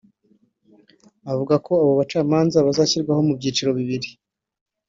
Avuga ko abo bacamanza bazashyirwaho mu byiciro bibiri